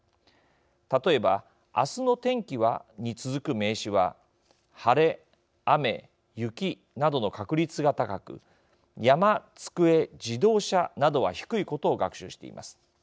例えば「明日の天気は」に続く名詞は晴れ雨雪などの確率が高く山机自動車などは低いことを学習しています。